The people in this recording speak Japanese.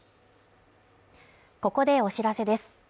ここでお知らせです。